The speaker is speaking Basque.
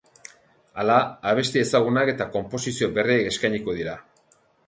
Hala, abesti ezagunak eta konposizio berriak eskainiko dira.